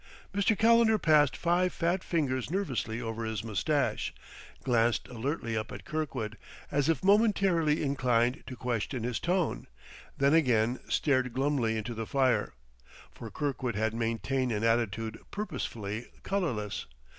Mr. Calendar passed five fat fingers nervously over his mustache, glanced alertly up at Kirkwood, as if momentarily inclined to question his tone, then again stared glumly into the fire; for Kirkwood had maintained an attitude purposefully colorless.